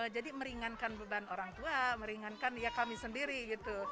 jadi meringankan beban orang tua meringankan ya kami sendiri gitu